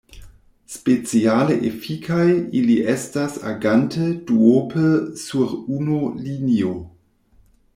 Speciale efikaj ili estas agante duope sur unu linio.